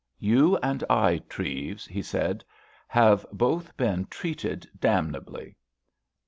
"You and I, Treves," he said, "have both been treated damnably!"